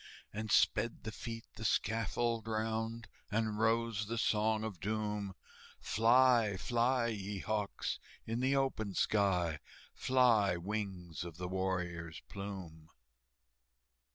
And sped the feet the scaffold round, And rose the Song of Doom, "Fly, fly, ye hawks, in the open sky, Fly, wings of the warrior's plume!"